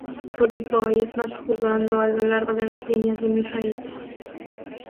Rude Boy es más jugando a lo largo de las líneas de mis raíces.